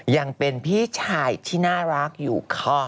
ยังเป็นพี่ชายที่น่ารักอยู่ค่ะ